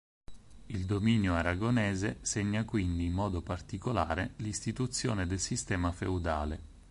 Il dominio aragonese segna quindi in modo particolare l'istituzione del sistema feudale.